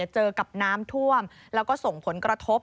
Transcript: เจอกับน้ำท่วมแล้วก็ส่งผลกระทบ